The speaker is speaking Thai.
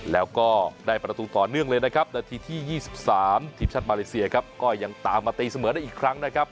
แล้วก็ได้ประตูต่อเนื่องเลยนะครับนาทีที่๒๓ทีมชาติมาเลเซียครับก็ยังตามมาตีเสมอได้อีกครั้งนะครับ